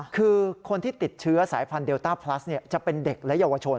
คือคนที่ติดเชื้อสายพันธุเดลต้าพลัสจะเป็นเด็กและเยาวชน